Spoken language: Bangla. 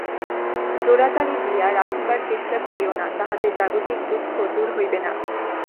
জোড়াতালি দিয়া রাখিবার চেষ্টা করিও না, তাহাতে জাগতিক দুঃখ দূর হইবে না।